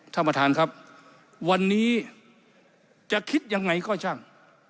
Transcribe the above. ท่านประธานครับวันนี้จะคิดยังไงก็ช่าง